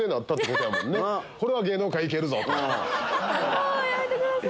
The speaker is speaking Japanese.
もうやめてください。